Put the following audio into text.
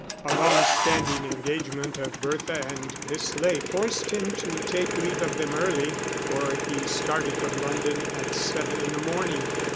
A long standing engagement of Bertha and Miss Ley forced him to take leave of them early, for he started from London at seven in the morning.